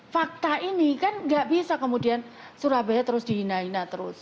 fakta ini kan nggak bisa kemudian surabaya terus dihina hina terus